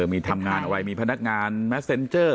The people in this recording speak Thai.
มีทำงานอะไรมีพนักงานแมสเซ็นเจอร์